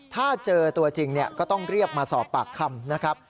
ถ้าเจอตัวจริงก็ต้องเรียกมาสอบปากคำนะครับ